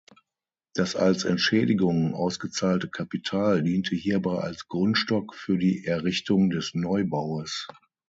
Das als Entschädigung ausgezahlte Kapital diente hierbei als Grundstock für die Errichtung des Neubaues.